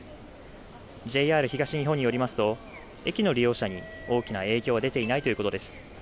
ＪＲ東日本によりますと駅の利用者に大きな影響は出ていないということです。